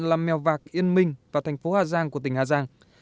làm mèo vạc yên minh và thành phố hà giang của tỉnh hà giang